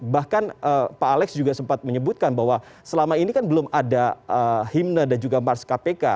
bahkan pak alex juga sempat menyebutkan bahwa selama ini kan belum ada himne dan juga mars kpk